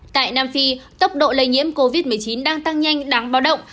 tại nam phi tốc độ lây nhiễm covid một mươi chín đang tăng nhanh đáng báo động